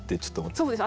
そうですね